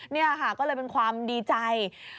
นี่ค่ะก็เลยเป็นความดีใจ